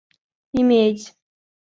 иметь